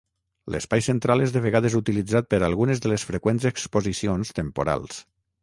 L'espai central és de vegades utilitzat per algunes de les freqüents exposicions temporals.